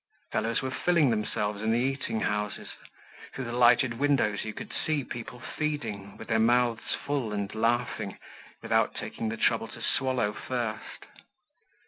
Fellows were filling themselves in the eating houses; through the lighted windows you could see people feeding, with their mouths full and laughing without taking the trouble to swallow first.